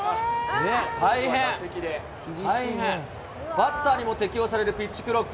バッターにも適用されるピッチクロック。